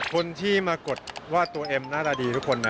คนที่มากดว่าตัวเอ็มหน้าตาดีทุกคนนะ